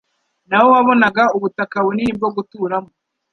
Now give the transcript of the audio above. nawo wabonaga ubutaka bunini bwo guturamo.